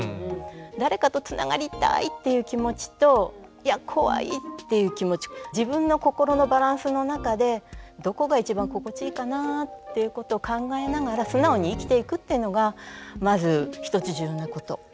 誰かとつながりたいっていう気持ちといや怖いっていう気持ち自分の心のバランスの中でどこが一番心地いいかなっていうことを考えながら素直に生きていくっていうのがまず一つ重要なこと。